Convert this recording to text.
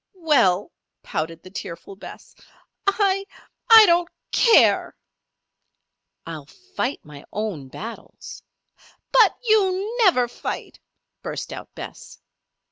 "Well," pouted the tearful Bess, "I I don't care!" "I'll fight my own battles." "But you never fight!" burst out Bess.